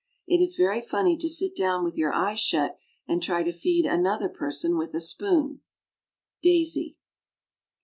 It is very funny to sit down with your eyes shut and try to feed another person with a spoon. DAISY.